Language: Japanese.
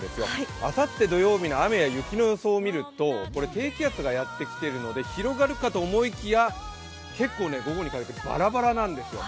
あさって土曜日の雨や雪の予想を見てみると、低気圧がやってきてるので広がるかと思いきや、結構、午後にかけてばらばらなんですよ。